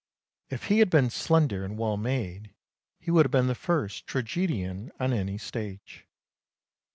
If he had been slender and well made he would have been the first tragedian on any stage.